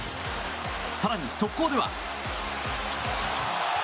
更に速攻では。